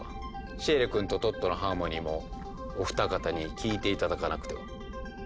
シエリ君とトットのハーモニーもお二方に聴いて頂かなくては。